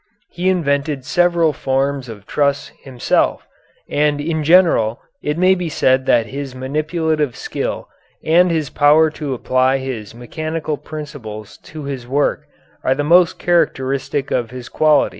He invented several forms of truss himself, and in general it may be said that his manipulative skill and his power to apply his mechanical principles to his work are the most characteristic of his qualities.